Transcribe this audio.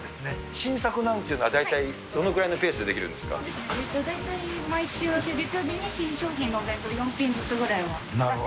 新作なんていうのは、大体どのぐらいのペースで出来るんです大体、毎週月曜日に新商品のお弁当、４品から５品ずつぐらいは。